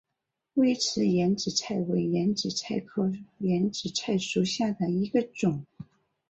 微齿眼子菜为眼子菜科眼子菜属下的一个种。